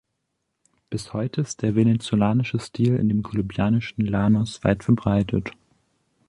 Bis heute ist der venezolanische Stil in den kolumbianischen Llanos weit verbreitet.